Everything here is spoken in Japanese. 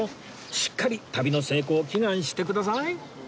しっかり旅の成功を祈願してください